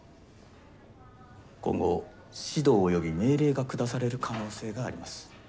今後指導及び命令が下される可能性があります。